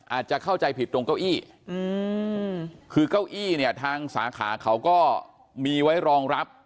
อาจจะเข้าใจผิดตรงเก้าอี้คือเก้าอี้เนี่ยทางสาขาเขาก็มีไว้รองรับ